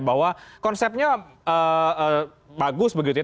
bahwa konsepnya bagus begitu ya